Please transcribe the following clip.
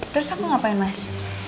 terus aku ngapain mas